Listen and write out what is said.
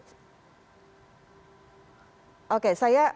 oke saya ke bang arsul kembali sayang sekali kita tidak bisa berkomunikasi dengan mbak reski